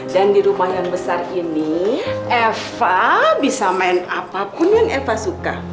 dan di rumah yang besar ini eva bisa main apapun yang eva suka